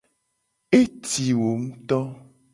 Eti wo ngto.